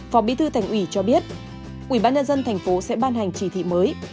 phòng bí thư thành ủy cho biết ubnd thành phố sẽ ban hành chỉ thị mới